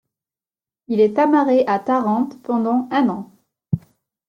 Il est amarré à Tarente pendant un an.